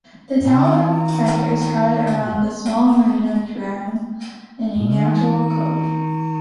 The town center is crowded around the small marina drawn in a natural cove.